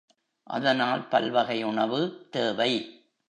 அதனால் பல்வகை உணவு, தேவை.